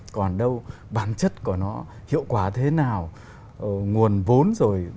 còn đâu bản chất của nó hiệu quả thế nào nguồn vốn rồi